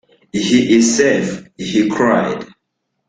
“He is safe,” he cried.